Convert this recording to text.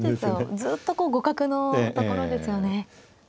ずっとこう互角のところですよね。